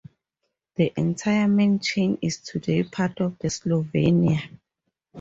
The entire main chain is today part of Slovenia.